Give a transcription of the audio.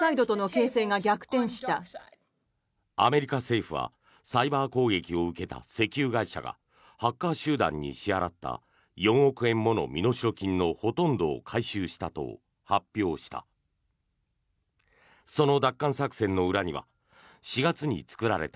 アメリカ政府はサイバー攻撃を受けた石油会社がハッカー集団に支払った４億円もの身代金ほとんどを回収したと発表した。